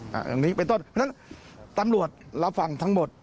อย่างนี้เป็นต้นฉะนั้นตำรวจเราฟังทั้งหมด